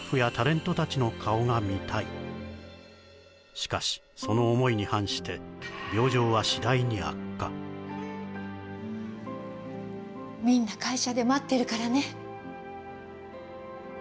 しかしその思いに反して病状は次第に悪化みんな会社で待ってるからね